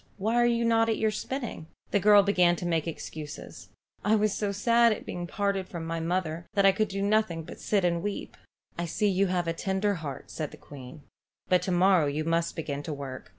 "Why are you not at your spinning?" The girl began to make excuses. "I was so sad at being parted from my mother that I could do nothing but sit and weep." "I see you have a tender heart," said the Queen. "But to morrow you must begin to work.